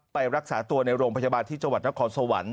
ไปรักษาตัวในโรงพยาบาลที่จังหวัดนครสวรรค์